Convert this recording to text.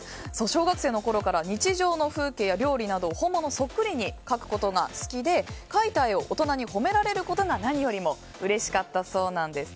小学生のころから日常の風景や料理などを本物そっくりに描くことが好きで描いた絵を大人に褒められることが何よりもうれしかったそうです。